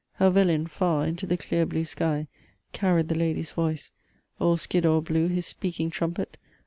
Helvellyn far into the clear blue sky Carried the lady's voice! old Skiddaw blew His speaking trumpet!